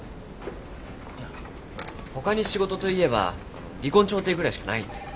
いやほかに仕事といえば離婚調停ぐらいしかないんで。